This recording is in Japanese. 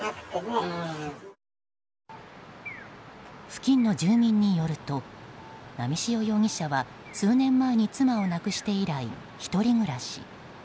付近の住民によると波汐容疑者は数年前に妻を亡くして以来１人暮らし。